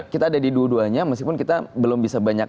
kita ada di dua duanya meskipun kita belum bisa banyak